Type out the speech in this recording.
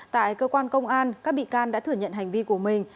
tại cơ quan công an các bị can đã thử nhận hành vi của mình